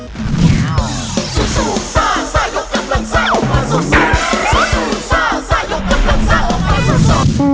สุ่งซ่ายยอกกำลังเซ่ล์